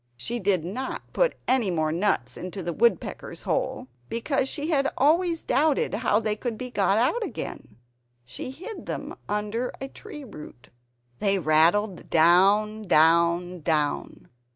She did not put any more nuts into the woodpecker's hole, because she had always doubted how they could be got out again. She hid them under a tree root; they rattled down, down, down.